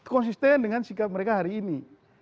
konsisten dengan sikap mereka hari ini